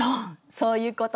そういうこと。